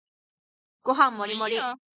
ご飯もりもり